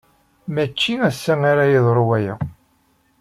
Mačči ass-a ara yeḍru waya.